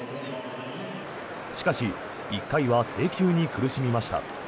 しかし１回は制球に苦しみました。